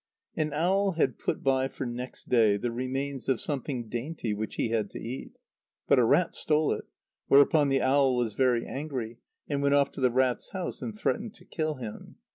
_[B] An owl had put by for next day the remains of something dainty which he had to eat. But a rat stole it, whereupon the owl was very angry, and went off to the rat's house, and threatened to kill him.